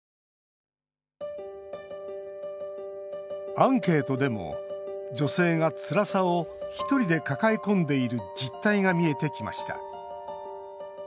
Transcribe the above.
アンケートでも女性がつらさを１人で抱え込んでいる実態が見えてきました。